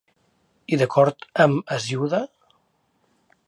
I d'acord amb Hesíode?